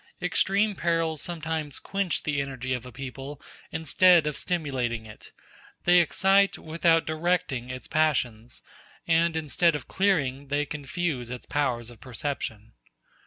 Extreme perils sometimes quench the energy of a people instead of stimulating it; they excite without directing its passions, and instead of clearing they confuse its powers of perception.